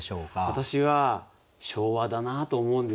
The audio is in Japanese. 私は昭和だなと思うんですよ。